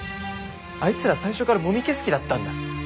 あいつら最初からもみ消す気だったんだ。